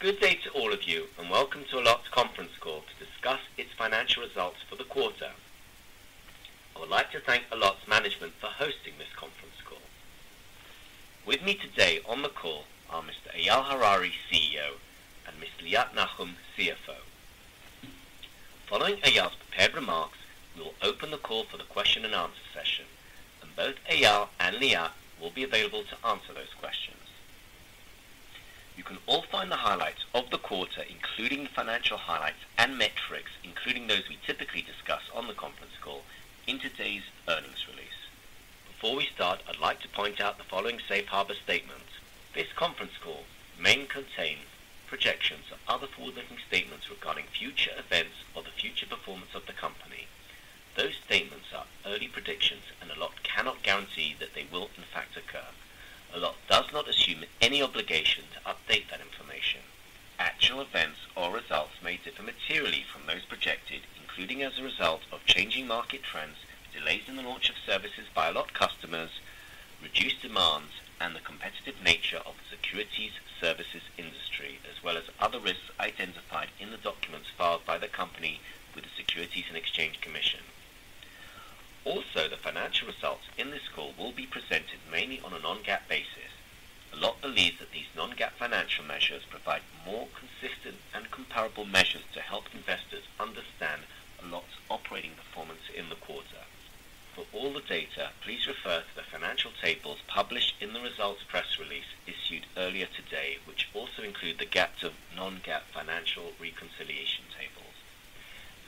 Good day to all of you, and welcome to Allot conference call to discuss its financial results for the quarter. I would like to thank Allot's management for hosting this conference call. With me today on the call are Mr. Eyal Harari, CEO, and Ms. Liat Nachum, CFO. Following Eyal's prepared remarks, we will open the call for the question and answer session, and both Eyal and Liat will be available to answer those questions. You can all find the highlights of the quarter, including financial highlights and metrics, including those we typically discuss on the conference call, in today's earnings release. Before we start, I'd like to point out the following safe harbor statement. This conference call may contain projections or other forward-looking statements regarding future events or the future performance of the company. Those statements are early predictions, and Allot cannot guarantee that they will in fact occur. Allot does not assume any obligation to update that information. Actual events or results may differ materially from those projected, including as a result of changing market trends, delays in the launch of services by Allot customers, reduced demands, and the competitive nature of the securities services industry, as well as other risks identified in the documents filed by the company with the Securities and Exchange Commission. Also, the financial results in this call will be presented mainly on a non-GAAP basis. Allot believes that these non-GAAP financial measures provide more consistent and comparable measures to help investors understand Allot's operating performance in the quarter. For all the data, please refer to the financial tables published in the results press release issued earlier today, which also include the GAAP to non-GAAP financial reconciliation tables.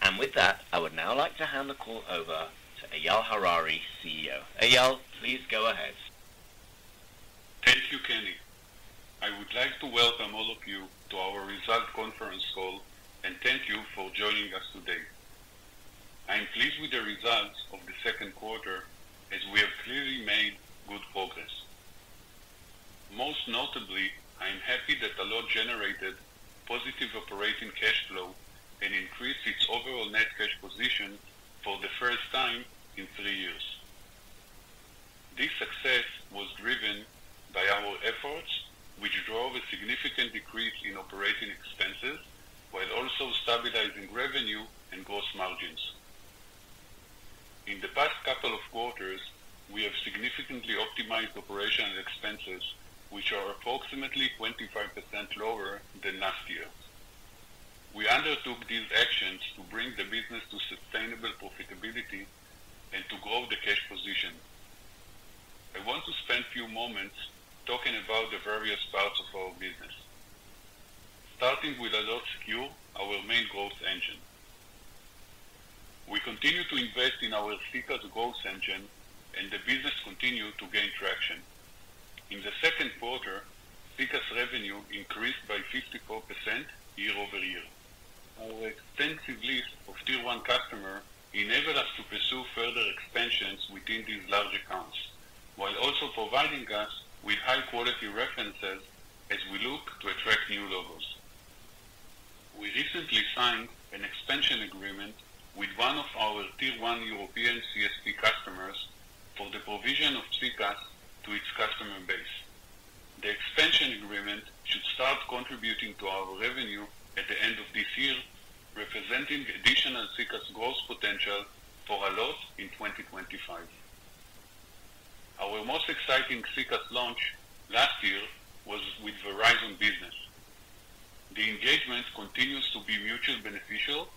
And with that, I would now like to hand the call over to Eyal Harari, CEO. Eyal, please go ahead. Thank you, Kenny. I would like to welcome all of you to our results conference call, and thank you for joining us today. I am pleased with the results of the second quarter, as we have clearly made good progress. Most notably, I am happy that Allot generated positive operating cash flow and increased its overall net cash position for the first time in three years. This success was driven by our efforts, which drove a significant decrease in operating expenses, while also stabilizing revenue and gross margins. In the past couple of quarters, we have significantly optimized operational expenses, which are approximately 25% lower than last year. We undertook these actions to bring the business to sustainable profitability and to grow the cash position. I want to spend a few moments talking about the various parts of our business, starting with Allot Secure, our main growth engine. We continue to invest in our SECaaS growth engine, and the business continued to gain traction. In the second quarter, SECaaS revenue increased by 54% year-over-year. Our extensive list of Tier 1 customers enabled us to pursue further expansions within these large accounts, while also providing us with high-quality references as we look to attract new logos. We recently signed an expansion agreement with one of our Tier 1 European CSP customers for the provision of SECaaS to its customer base. The expansion agreement should start contributing to our revenue at the end of this year, representing additional SECaaS growth potential for Allot in 2025. Our most exciting SECaaS launch last year was with Verizon Business. The engagement continues to be mutually beneficial,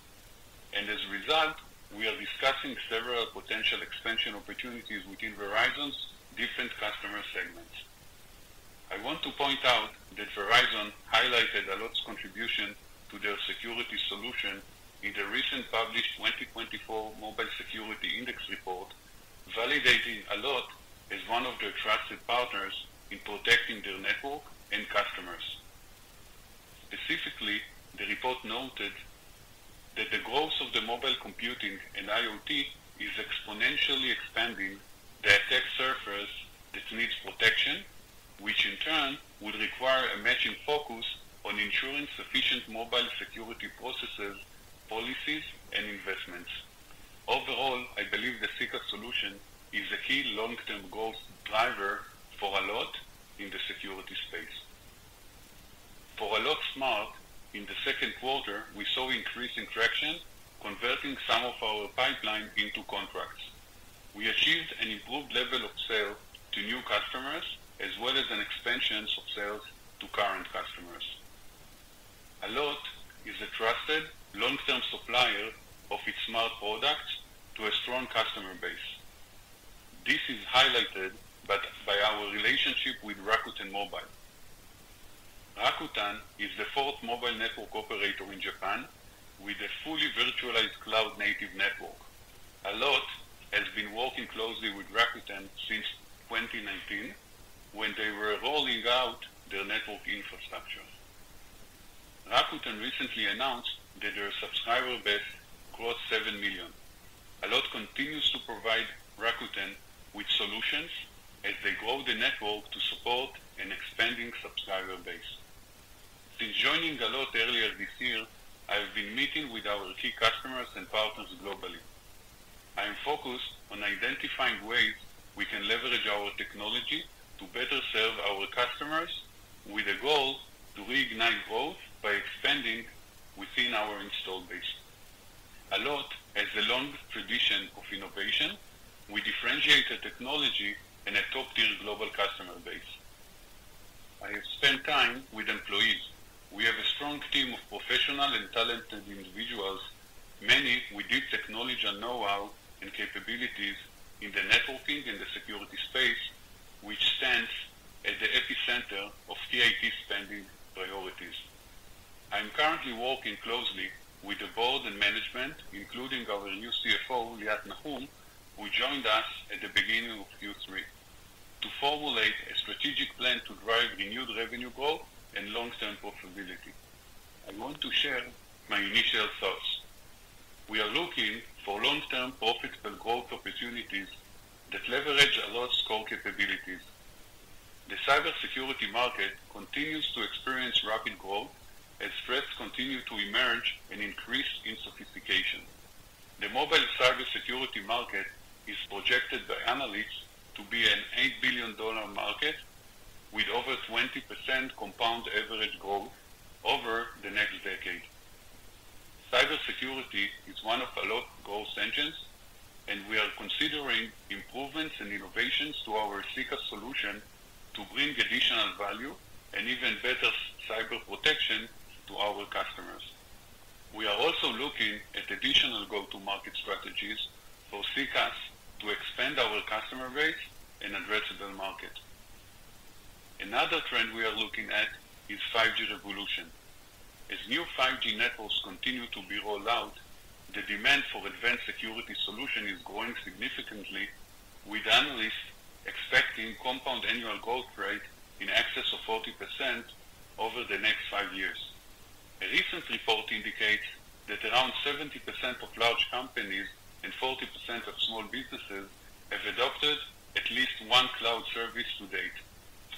and as a result, we are discussing several potential expansion opportunities within Verizon's different customer segments. I want to point out that Verizon highlighted Allot's contribution to their security solution in the recently published 2024 Mobile Security Index report, validating Allot as one of their trusted partners in protecting their network and customers. Specifically, the report noted that the growth of the mobile computing and IoT is exponentially expanding the attack surface that needs protection, which in turn would require a matching focus on ensuring sufficient mobile security processes, policies, and investments. Overall, I believe the SECaaS solution is a key long-term growth driver for Allot in the security space. For Allot Smart, in the second quarter, we saw increasing traction, converting some of our pipeline into contracts. We achieved an improved level of sale to new customers, as well as an expansion of sales to current customers. Allot is a trusted long-term supplier of its smart products to a strong customer base. This is highlighted by our relationship with Rakuten Mobile. Rakuten is the fourth mobile network operator in Japan with a fully virtualized cloud-native network. Allot has been working closely with Rakuten since 2019, when they were rolling out their network infrastructure. Rakuten recently announced that their subscriber base crossed seven million. Allot continues to provide Rakuten with solutions as they grow the network to support an expanding subscriber base. Since joining Allot earlier this year, I have been meeting with our key customers and partners globally. I am focused on identifying ways we can leverage our technology to better serve our customers, with a goal to reignite growth by expanding within our installed base. Allot has a long tradition of innovation, with differentiated technology and a top-tier global customer base. I have spent time with employees. We have a strong team of professional and talented individuals, many with deep technology and know-how and capabilities in the networking and the security space, which stands at the epicenter of IT spending priorities. I am currently working closely with the board and management, including our new CFO, Liat Nachum, who joined us at the beginning of Q3, to formulate a strategic plan to drive renewed revenue growth and long-term profitability. I want to share my initial thoughts. We are looking for long-term profitable growth opportunities that leverage Allot's core capabilities. The cybersecurity market continues to experience rapid growth as threats continue to emerge and increase in sophistication. The mobile cybersecurity market is projected by analysts to be a $8 billion market with over 20% compound average growth over the next decade. Cybersecurity is one of Allot's growth engines, and we are considering improvements and innovations to our SECaaS solution to bring additional value and even better cyber protection to our customers. We are also looking at additional go-to-market strategies for SECaaS to expand our customer base and addressable market. Another trend we are looking at is 5G revolution. As new 5G networks continue to be rolled out, the demand for advanced security solution is growing significantly, with analysts expecting compound annual growth rate in excess of 40% over the next five years. A recent report indicates that around 70% of large companies and 40% of small businesses have adopted at least one cloud service to date.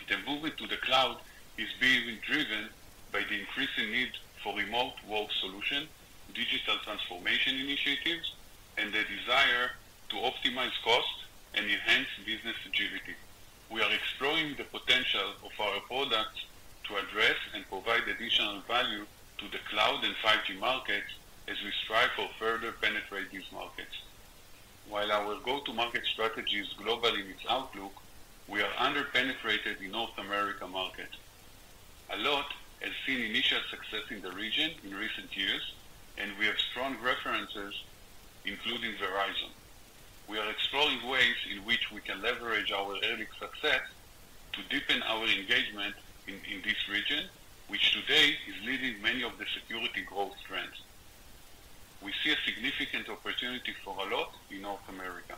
The movement to the cloud is being driven by the increasing need for remote work solution, digital transformation initiatives, and the desire to optimize cost and enhance business agility. We are exploring the potential of our products to address and provide additional value to the cloud and 5G markets as we strive for further penetrate these markets. While our go-to-market strategy is global in its outlook, we are under-penetrated in North America market. Allot has seen initial success in the region in recent years, and we have strong references, including Verizon. We are exploring ways in which we can leverage our early success to deepen our engagement in this region, which today is leading many of the security growth trends. We see a significant opportunity for Allot in North America.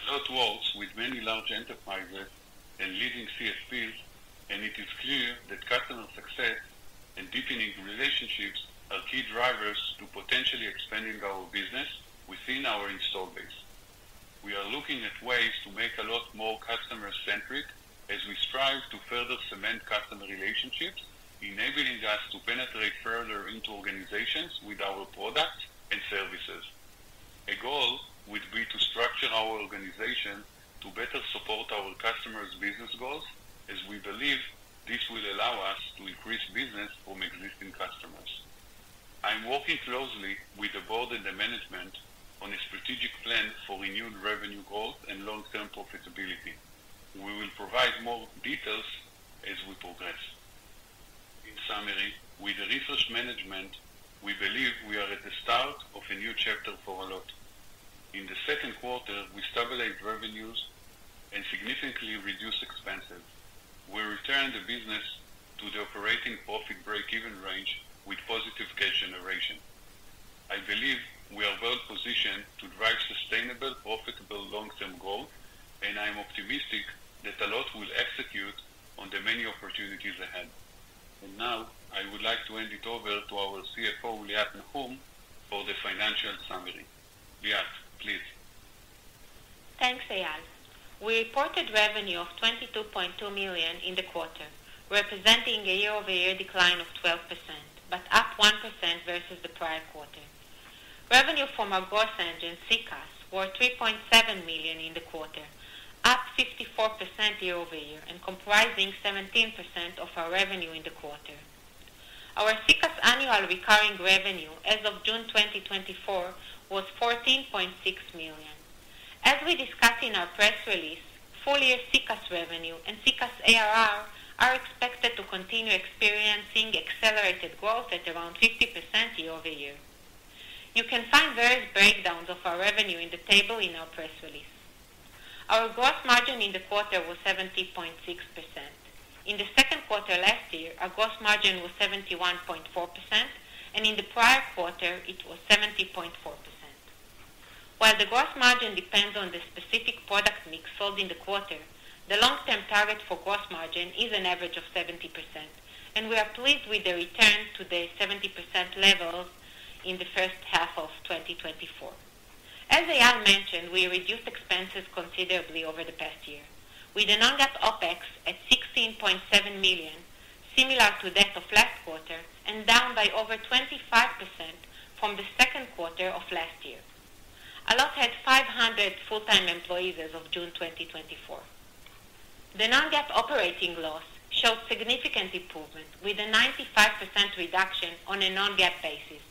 Allot works with many large enterprises and leading CSPs, and it is clear that customer success and deepening relationships are key drivers to potentially expanding our business within our install base. We are looking at ways to make Allot more customer-centric as we strive to further cement customer relationships, enabling us to penetrate further into organizations with our products and services. A goal would be to structure our organization to better support our customers' business goals, as we believe this will allow us to increase business from existing customers. I'm working closely with the board and the management on a strategic plan for renewed revenue growth and long-term profitability. We will provide more details as we progress. In summary, with the refreshed management, we believe we are at the start of a new chapter for Allot. In the second quarter, we stabilized revenues and significantly reduced expenses. We returned the business to the operating profit break-even range with positive cash generation. I believe we are well positioned to drive sustainable, profitable, long-term growth, and I'm optimistic that Allot will execute on the many opportunities ahead. And now, I would like to hand it over to our CFO, Liat Nachum, for the financial summary. Liat, please. Thanks, Eyal. We reported revenue of $22.2 million in the quarter, representing a year-over-year decline of 12%, but up 1% versus the prior quarter. Revenue from our growth engine, SECaaS, was $3.7 million in the quarter, up 54% year-over-year and comprising 17% of our revenue in the quarter. Our SECaaS annual recurring revenue as of June 2024 was $14.6 million. As we discussed in our press release, full-year SECaaS revenue and SECaaS ARR are expected to continue experiencing accelerated growth at around 50% year-over-year. You can find various breakdowns of our revenue in the table in our press release. Our gross margin in the quarter was 70.6%. In the second quarter last year, our gross margin was 71.4%, and in the prior quarter, it was 70.4%. While the gross margin depends on the specific product mix sold in the quarter, the long-term target for gross margin is an average of 70%, and we are pleased with the return to the 70% level in the first half of 2024. As Eyal mentioned, we reduced expenses considerably over the past year, with the non-GAAP OpEx at $16.7 million, similar to that of last quarter, and down by over 25% from the second quarter of last year. Allot had 500 full-time employees as of June 2024. The non-GAAP operating loss showed significant improvement, with a 95% reduction on a non-GAAP basis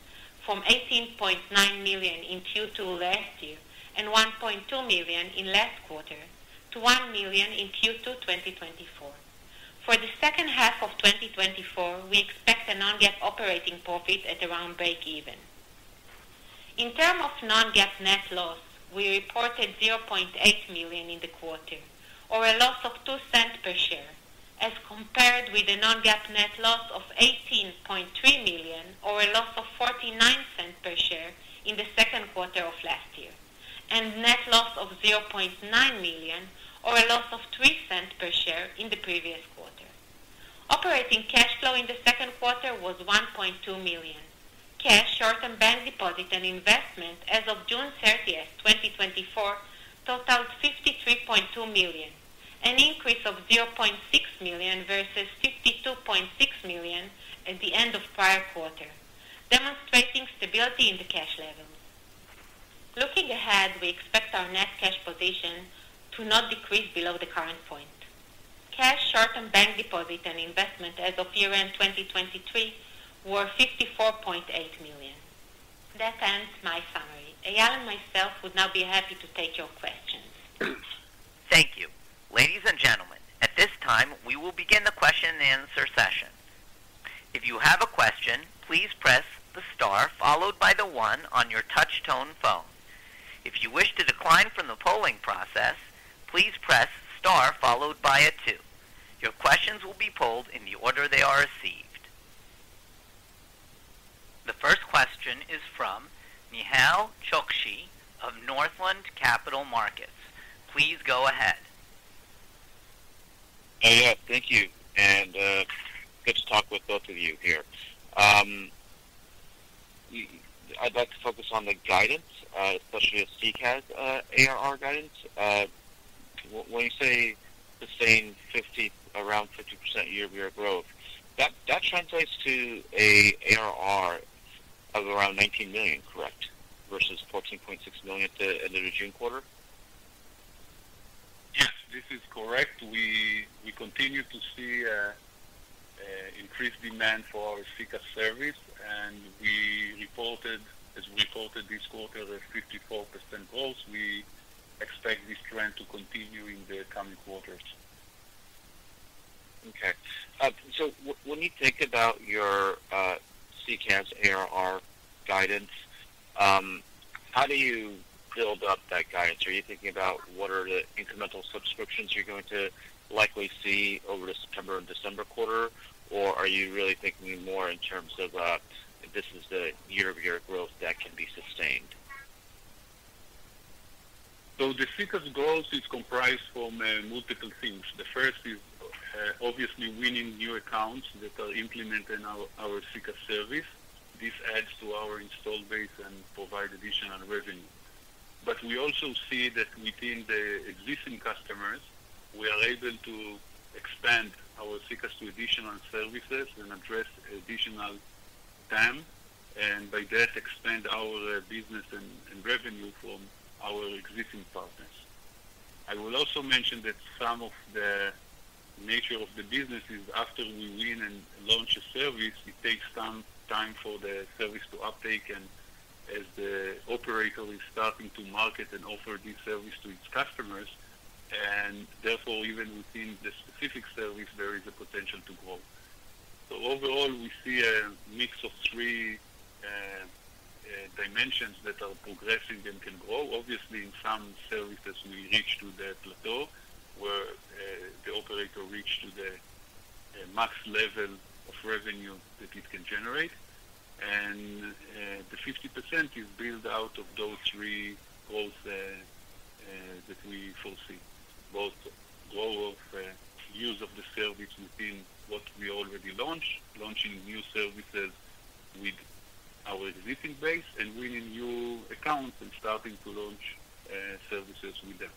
from $18.9 million in Q2 last year, and $1.2 million in last quarter, to $1 million in Q2, 2024. For the second half of 2024, we expect a non-GAAP operating profit at around breakeven. In terms of non-GAAP net loss, we reported $0.8 million in the quarter, or a loss of $0.02 per share, as compared with a non-GAAP net loss of $18.3 million, or a loss of $0.49 per share in the second quarter of last year, and net loss of $0.9 million or a loss of $0.03 per share in the previous quarter. Operating cash flow in the second quarter was $1.2 million. Cash, short-term bank deposits and investment as of June 30th, 2024, totaled $53.2 million, an increase of $0.6 million versus $52.6 million at the end of prior quarter, demonstrating stability in the cash levels. Looking ahead, we expect our net cash position to not decrease below the current point. Cash, short-term deposits and investment as of year-end 2023 were $54.8 million. That ends my summary. Eyal and myself would now be happy to take your questions. Thank you. Ladies and gentlemen, at this time, we will begin the question and answer session. If you have a question, please press the star followed by the one on your touch-tone phone. If you wish to decline from the polling process, please press star followed by a two. Your questions will be polled in the order they are received. The first question is from Nehal Chokshi of Northland Capital Markets. Please go ahead. Yes, thank you, and good to talk with both of you here. I'd like to focus on the guidance, especially the SECaaS ARR guidance. When you say the same 50%, around 50% year-over-year growth, that translates to an ARR of around $19 million, correct? Versus $14.6 million at the end of the June quarter. Yes, this is correct. We continue to see a increased demand for our SECaaS service, and we reported, as we reported this quarter, a 54% growth. We expect this trend to continue in the coming quarters. Okay. So when you think about your SECaaS ARR guidance, how do you build up that guidance? Are you thinking about what are the incremental subscriptions you're going to likely see over the September and December quarter? Or are you really thinking more in terms of this is the year-over-year growth that can be sustained? So the SECaaS growth is comprised from multiple things. The first is obviously winning new accounts that are implemented in our SECaaS service. This adds to our install base and provide additional revenue. But we also see that within the existing customers, we are able to expand our SECaaS to additional services and address additional TAM, and by that, expand our business and revenue from our existing partners. I will also mention that some of the nature of the business is after we win and launch a service, it takes some time for the service to uptake, and as the operator is starting to market and offer this service to its customers, and therefore even within the specific service, there is a potential to grow. So overall, we see a mix of three dimensions that are progressing and can grow. Obviously, in some services, we reach to the plateau, where the operator reach to the max level of revenue that it can generate, and the 50% is built out of those three growth that we foresee. Both growth of use of the service within what we already launched, launching new services with our existing base, and winning new accounts and starting to launch services with them.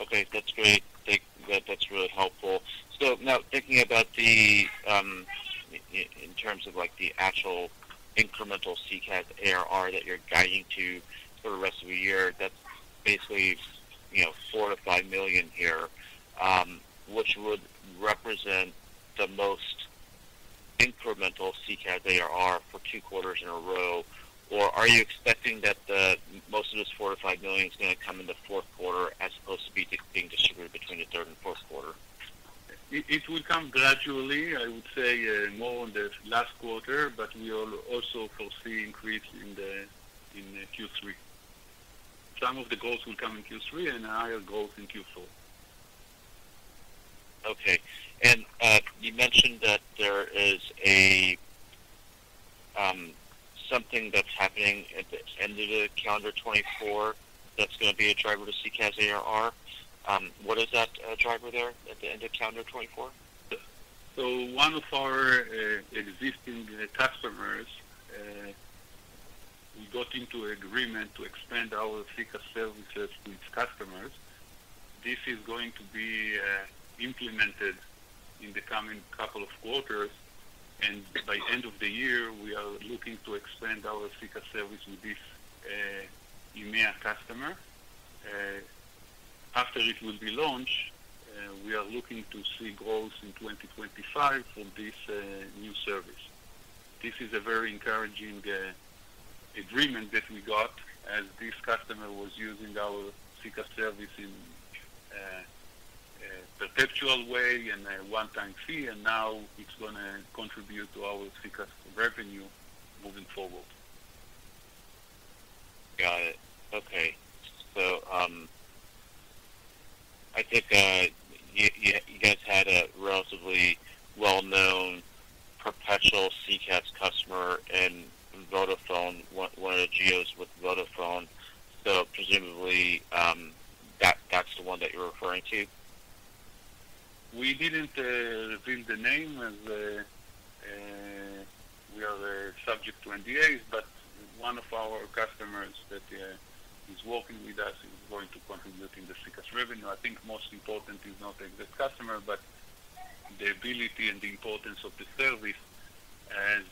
Okay, that's great. That's really helpful. So now, thinking about the in terms of like the actual incremental SECaaS ARR that you're guiding to for the rest of the year, that's basically, you know, $4 million-$5 million here, which would represent the most incremental SECaaS ARR for two quarters in a row. Or are you expecting that the most of this $4 million-$5 million is going to come in the fourth quarter as opposed to being distributed between the third and fourth quarter? It will come gradually, I would say, more on the last quarter, but we are also foresee increase in Q3. Some of the growth will come in Q3 and higher growth in Q4. Okay. And you mentioned that there is a something that's happening at the end of the calendar 2024, that's gonna be a driver to SECaaS ARR. What is that driver there at the end of calendar 2024? So one of our existing customers we got into an agreement to expand our SECaaS services to its customers. This is going to be implemented in the coming couple of quarters, and by end of the year, we are looking to expand our SECaaS service with this EMEA customer. After it will be launched, we are looking to see growth in 2025 for this new service. This is a very encouraging agreement that we got as this customer was using our SECaaS service in a perpetual way and a one-time fee, and now it's going to contribute to our SECaaS revenue moving forward. Got it. Okay. So, I think you guys had a relatively well-known perpetual SECaaS customer and Vodafone, one of the geos with Vodafone. So presumably, that that's the one that you're referring to? We didn't reveal the name as we are subject to NDAs, but one of our customers that is working with us is going to contribute in the SECaaS revenue. I think most important is not the exact customer, but the ability and the importance of the service as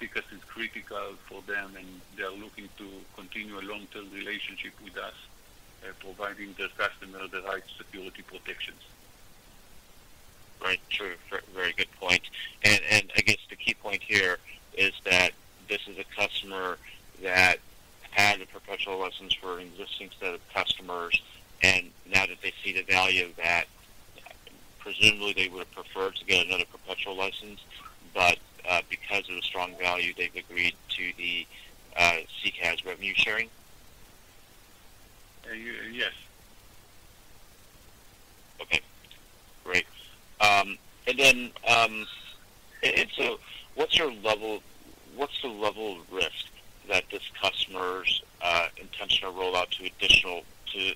SECaaS is critical for them, and they are looking to continue a long-term relationship with us, providing their customer the right security protections. Right. True. Very good point. And I guess the key point here is that this is a customer that had a perpetual license for an existing set of customers, and now that they see the value of that, presumably they would have preferred to get another perpetual license, but because of the strong value, they've agreed to the SECaaS revenue sharing? Uh, yes. Okay, great. And then, and so what's the level of risk that this customer's intentional rollout to additional, to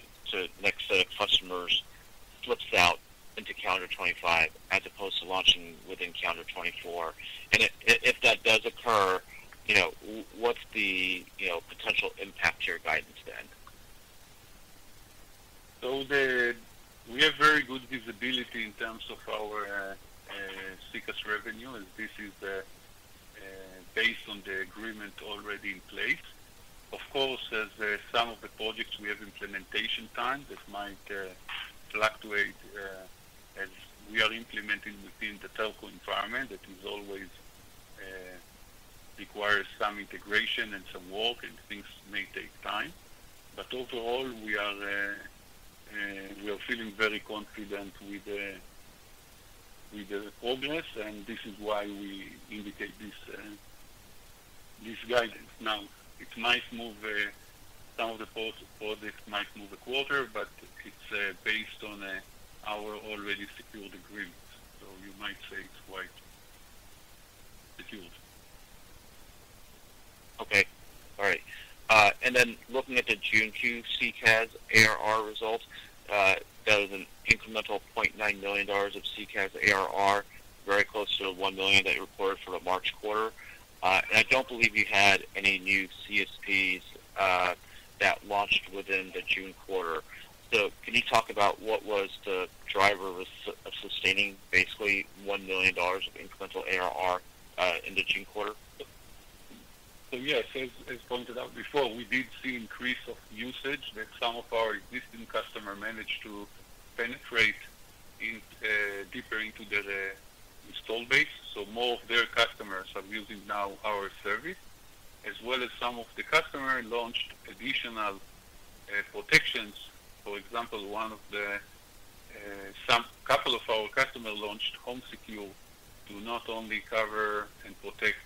next set of customers slips out into calendar 2025, as opposed to launching within calendar 2024? And if that does occur, you know, what's the potential impact to your guidance then? We have very good visibility in terms of our SECaaS revenue, as this is based on the agreement already in place. Of course, as some of the projects, we have implementation time, that might fluctuate, as we are implementing within the telco environment, that is always requires some integration and some work, and things may take time. But overall, we are feeling very confident with the progress, and this is why we indicate this guidance. Now, it might move some of the projects might move a quarter, but it's based on our already secured agreement, so you might say it's quite secured. Okay. All right. And then looking at the June quarter SECaaS ARR results, that was an incremental $0.9 million of SECaaS ARR, very close to the $1 million that you reported for the March quarter. And I don't believe you had any new CSPs that launched within the June quarter. So can you talk about what was the driver of sustaining basically $1 million of incremental ARR in the June quarter? So yes, as pointed out before, we did see increase of usage that some of our existing customer managed to penetrate in deeper into their installed base. So more of their customers are using now our service, as well as some of the customer launched additional protections. For example, one of the some couple of our customer launched HomeSecure to not only cover and protect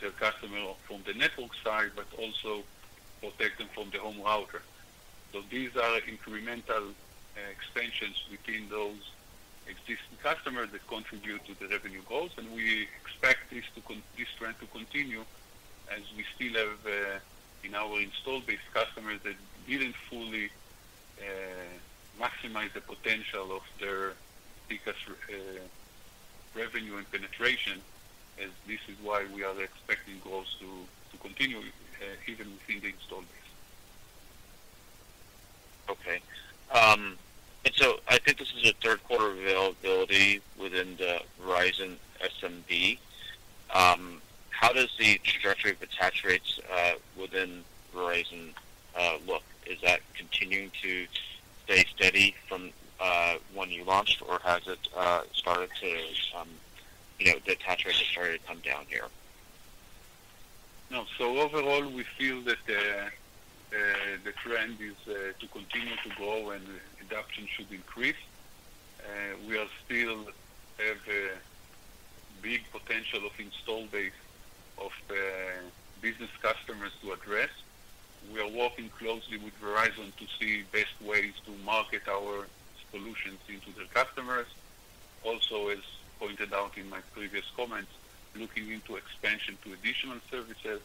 their customer from the network side, but also protect them from the home router. So these are incremental extensions between those existing customers that contribute to the revenue goals, and we expect this trend to continue as we still have in our installed base, customers that didn't fully maximize the potential of their SECaaS revenue and penetration, as this is why we are expecting growth to continue even within the installed base. Okay. And so I think this is a third quarter availability within the Verizon SMB. How does the trajectory of attach rates within Verizon look? Is that continuing to stay steady from when you launched, or has it started to, you know, attach rates have started to come down here? No, so overall, we feel that, the trend is, to continue to grow and adoption should increase. We are still have a big potential of install base of the business customers to address. We are working closely with Verizon to see best ways to market our solutions into their customers. Also, as pointed out in my previous comments, looking into expansion to additional services,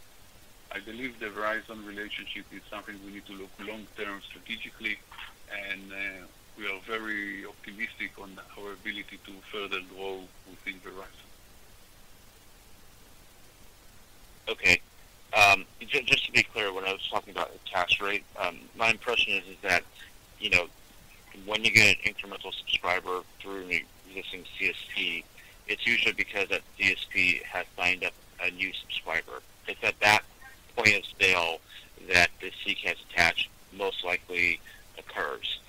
I believe the Verizon relationship is something we need to look long-term strategically, and, we are very optimistic on our ability to further grow within Verizon. Okay. Just to be clear, when I was talking about attach rate, my impression is that, you know, when you get an incremental subscriber through an existing CSP, it's usually because that CSP has signed up a new subscriber. It's at that point of sale that the SECaaS attach most likely occurs.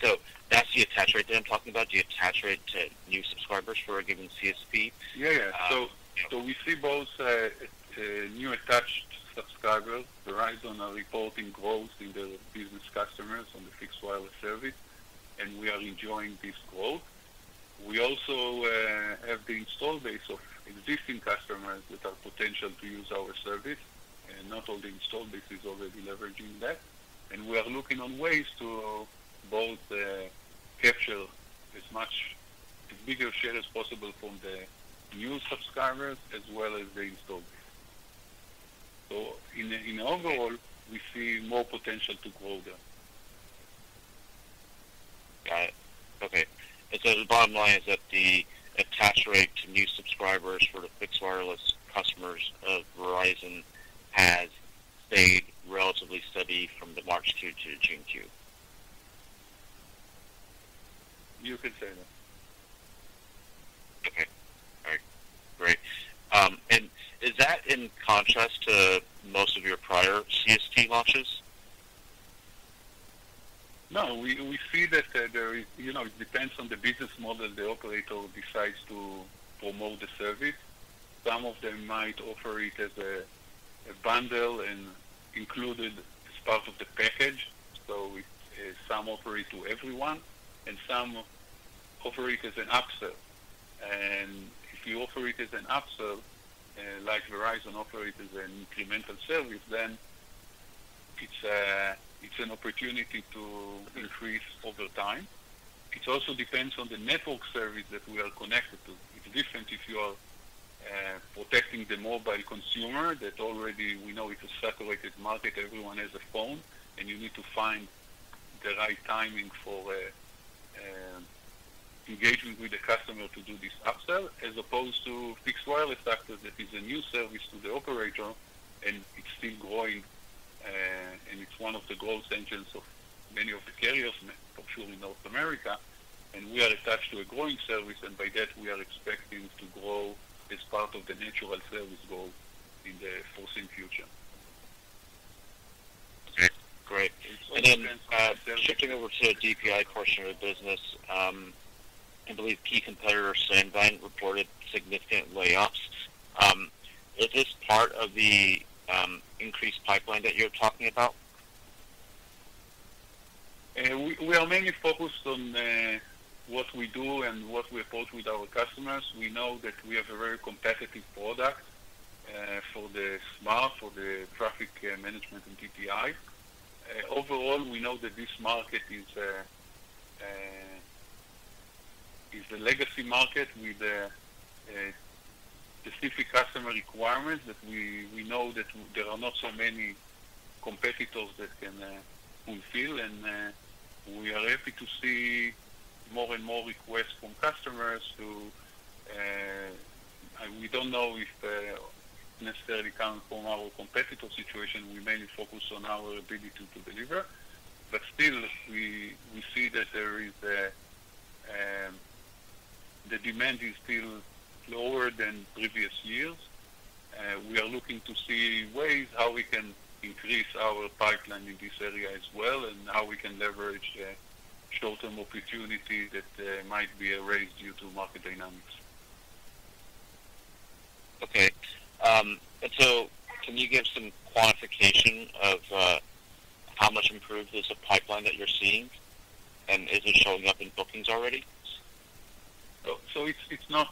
So that's the attach rate that I'm talking about, the attach rate to new subscribers for a given CSP? Yeah, yeah. So we see both new attached subscribers. Verizon are reporting growth in their business customers on the fixed wireless service, and we are enjoying this growth. We also have the install base of existing customers that have potential to use our service, and not all the install base is already leveraging that. We are looking on ways to both capture as much, as bigger share as possible from the new subscribers as well as the install base. So overall, we see more potential to grow there. Got it. Okay. And so the bottom line is that the attach rate to new subscribers for the fixed wireless customers of Verizon has stayed relatively steady from the March 2 to June 2? You could say that. Okay. All right. Great. And is that in contrast to most of your prior CSP launches? No, we see that, you know, it depends on the business model the operator decides to promote the service. Some of them might offer it as a bundle and included as part of the package, so some offer it to everyone, and some offer it as an upsell. And if you offer it as an upsell, like Verizon offer it as an incremental service, then it's an opportunity to increase over time. It also depends on the network service that we are connected to. It's different if you are protecting the mobile consumer, that already we know it's a saturated market, everyone has a phone, and you need to find the right timing for engagement with the customer to do this upsell, as opposed to fixed wireless access, that is a new service to the operator, and it's still growing, and it's one of the growth engines of many of the carriers, for sure, in North America, and we are attached to a growing service, and by that, we are expecting to grow as part of the natural service growth in the foreseen future. Okay, great. And then, shifting over to the DPI portion of the business, I believe key competitor, Sandvine, reported significant layoffs. Is this part of the increased pipeline that you're talking about? We are mainly focused on what we do and what we approach with our customers. We know that we have a very competitive product for the Smart for the traffic management and DPI. Overall, we know that this market is a legacy market with a specific customer requirement that we know that there are not so many competitors that can fulfill, and we are happy to see more and more requests from customers to. We don't know if necessarily come from our competitor situation. We mainly focus on our ability to deliver, but still, we see that there is a the demand is still lower than previous years. We are looking to see ways how we can increase our pipeline in this area as well, and how we can leverage the short-term opportunity that might be erased due to market dynamics. Okay. And so can you give some quantification of how much improvement is the pipeline that you're seeing? And is it showing up in bookings already?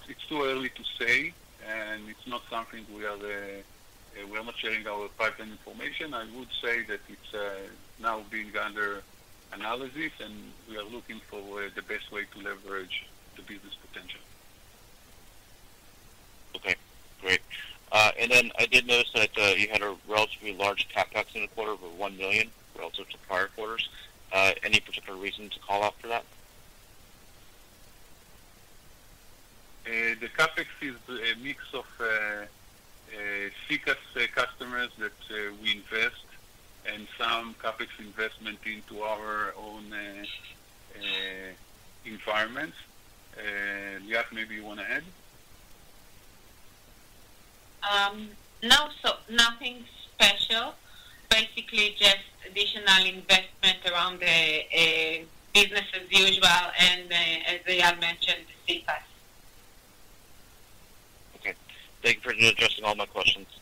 It's too early to say, and it's not something we are. We are not sharing our pipeline information. I would say that it's now being under analysis, and we are looking for the best way to leverage the business potential. Okay, great, and then I did notice that you had a relatively large CapEx in the quarter over $1 million, relative to prior quarters. Any particular reason to call out for that? The CapEx is a mix of SECaaS customers that we invest and some CapEx investment into our own environments. Liat, maybe you want to add? No, so nothing special. Basically, just additional investment around the business as usual, and as Eyal mentioned, SECaaS. Okay. Thank you for addressing all my questions.